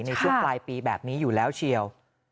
ในช่วงปลายปีแบบนี้อยู่แล้วเชียว